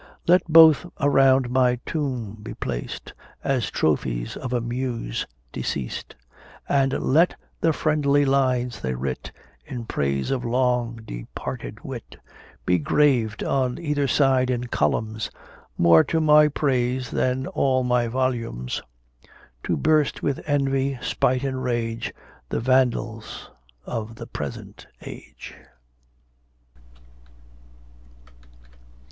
Let both around my tomb be placed, As trophies of a muse deceas'd: And let the friendly lines they writ, In praise of long departed wit, Be graved on either side in columns, More to my praise than all my volumes; To burst with envy, spite, and rage, The Vandals of the present age.